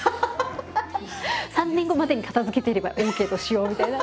「３年後までに片づけてればＯＫとしよう」みたいな。